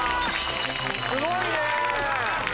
すごいね！